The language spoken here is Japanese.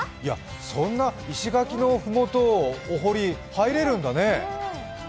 そんな石垣のふもと、お堀、入れるんだね。